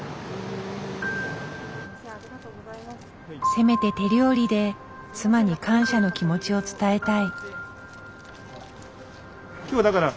せめて手料理で妻に感謝の気持ちを伝えたい。